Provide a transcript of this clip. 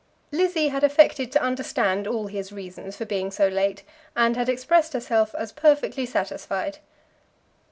Lizzie had affected to understand all his reasons for being so late, and had expressed herself as perfectly satisfied.